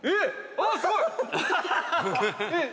あっ、すごい！えっ？